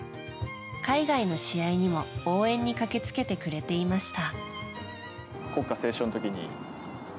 海外の試合にも応援に駆けつけてくれていました。